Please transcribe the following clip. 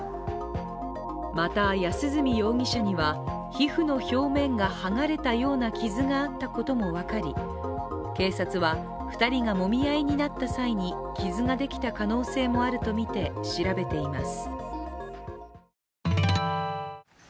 また安栖容疑者には、皮膚の表面が剥がれたような傷があったことも分かり警察は、２人がもみ合いになった際に傷ができた可能性もあると見て調べています。